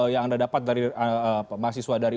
yang anda dapat dari mahasiswa dari